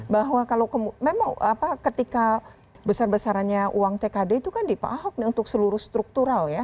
bahwa kalau memang ketika besar besarannya uang tkd itu kan di pak ahok nih untuk seluruh struktural ya